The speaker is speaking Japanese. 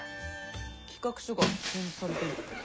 企画書が添付されてる。